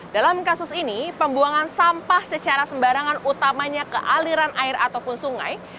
dalam kasus ini pembuangan sampah secara sembarangan utamanya ke aliran air ataupun sungai